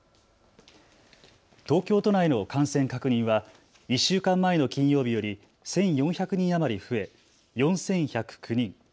東京都内の感染確認は１週間前の金曜日より１４００人余り増え４１０９人。